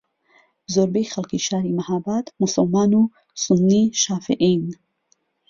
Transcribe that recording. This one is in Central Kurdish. زۆربەی خەڵکی شاری مەھاباد موسڵمان و سوننی شافعیین